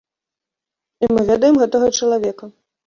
І мы ведаем гэтага чалавека.